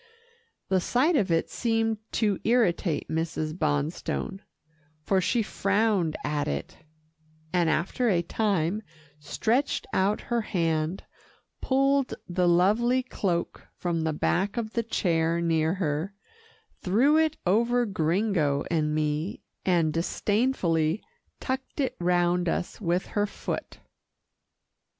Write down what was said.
The sight of it seemed to irritate Mrs. Bonstone, for she frowned at it, and after a time, stretched out her hand, pulled the lovely cloak from the back of the chair near her, threw it over Gringo and me, and disdainfully tucked it round us with her foot.